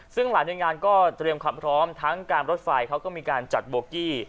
ซึ่งหลายหน่วยงานก็เตรียมความพร้อมทั้งการรถไฟเขาก็มีการจัดโบกี้